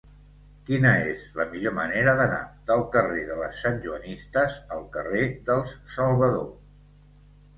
Quina és la millor manera d'anar del carrer de les Santjoanistes al carrer dels Salvador?